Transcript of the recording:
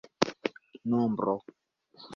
nombro